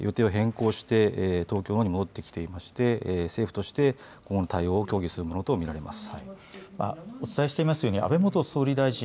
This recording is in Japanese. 関係閣僚も予定を変更して東京のほうに戻ってきていまして政府として今後の対応を協議するものと見られます。